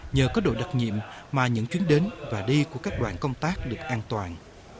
nhờ có đội đặc nhiệm mà những chuyến đến và đi của các đoàn công tác được an toàn